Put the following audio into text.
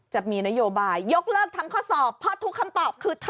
จะมีนโยบายยกเลิกทำข้อสอบเพราะทุกคำตอบคือ